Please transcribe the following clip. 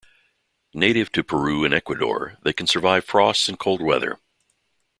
Native to Peru and Ecuador, they can survive frosts and cold weather.